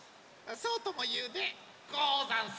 そうともいうでござんす！